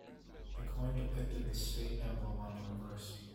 The coin depicted the state emblem on the reverse.